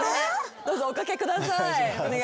どうぞお掛けください。